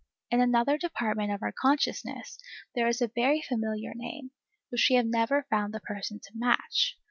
In another department of our consciousness, there is a very familiar name, which we have never found the person to match.